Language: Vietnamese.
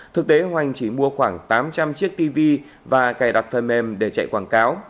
thực tế hoành chỉ mua khoảng tám trăm linh chiếc tv và cài đặt phần mềm để chạy quảng cáo